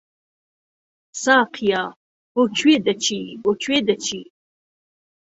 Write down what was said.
ساقییا! بۆ کوێ دەچی، بۆ کوێ دەچی؟